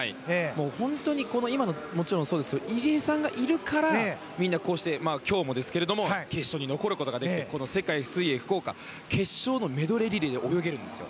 本当にこの今ももちろんそうですが入江さんがいるからみんなこうして今日もですけども決勝に残ることができてこの世界水泳福岡決勝のメドレーリレーで泳げるんですよ。